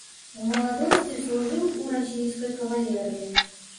У маладосці служыў у расійскай кавалерыі.